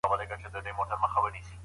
ځينې غله کتابونه بېرته نه ستنوي.